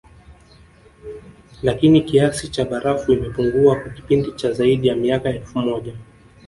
Lakini kiasi cha barafu imepungua kwa kipindi cha zaidi ya miaka elfu moja